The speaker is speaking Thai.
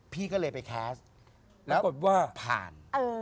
พี่ก็เลยไปแคสต์แล้วผ่าน